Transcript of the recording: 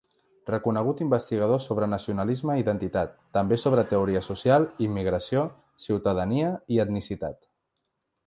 Reconegut investigador sobre nacionalisme i identitat, també sobre teoria social, immigració, ciutadania i etnicitat.